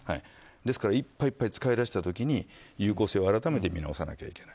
ですから、いっぱいいっぱい使いだした時に有効性を改めて見直さなきゃいけない。